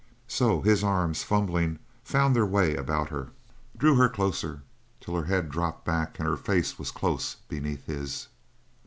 So his arms, fumbling, found their away about her, drew her closer, till her head drooped back, and her face was close beneath his.